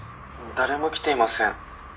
「誰も来ていません。